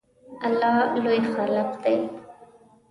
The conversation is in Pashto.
الله لوی خالق دی